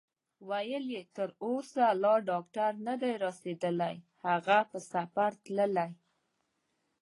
ویل یې: تر اوسه لا ډاکټر نه دی رارسېدلی، هغه په سفر تللی.